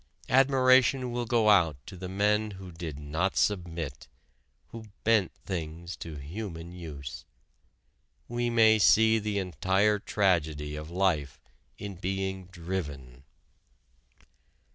Admiration will go out to the men who did not submit, who bent things to human use. We may see the entire tragedy of life in being driven.